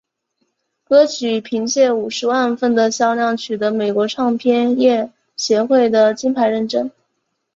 歌曲凭借五十万份的销量取得美国唱片业协会的金牌认证。